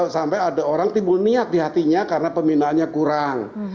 sampai ada orang timbul niat di hatinya karena pemimpin